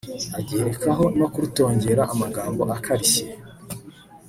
agerekaho no kurutongera amagambo akarishye